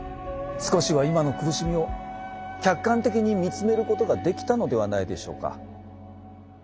少しは今の苦しみを客観的に見つめることができたのではないでしょうか？